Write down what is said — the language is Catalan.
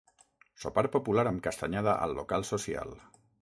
Sopar popular amb castanyada al local social.